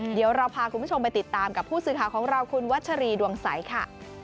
เดี๋ยวเราพาคุณผู้ชมไปติดตามกับผู้สื่อข่าวของเราคุณวัชรีดวงใสค่ะ